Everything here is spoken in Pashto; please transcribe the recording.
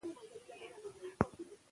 اورېدونکی سمه مانا اخلي.